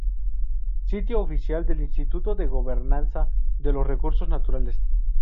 Sitio oficial del Instituto de Gobernanza de los Recursos Naturales